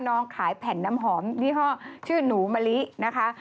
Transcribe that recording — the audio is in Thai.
น้องขายแผ่นน้ำหอมนี่ห้อคือนิมมะลินะคะ